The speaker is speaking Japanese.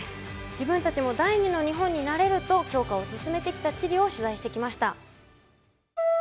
自分たちも第２の日本になれると強化を進めてきたチリを取材してきました。